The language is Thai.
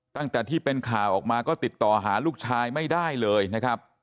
ตั้งแต่ที่เป็นข่าวออกมาก็ติดต่อหาลูกชายไม่ได้เลยนะครับ